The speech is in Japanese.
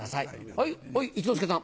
はい一之輔さん。